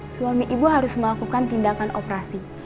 suami ibu harus melakukan tindakan operasi